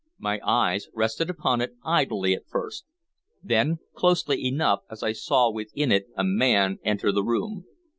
My eyes rested upon it, idly at first, then closely enough as I saw within it a man enter the room.